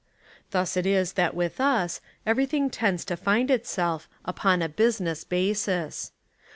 Thus it is that with us everything tends to find itself "upon a business basis."